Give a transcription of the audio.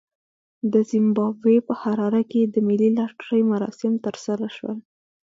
د زیمبابوې په حراره کې د ملي لاټرۍ مراسم ترسره شول.